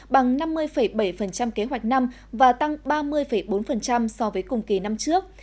bằng năm mươi bảy kế hoạch năm và tăng ba mươi bốn so với cùng kỳ năm trước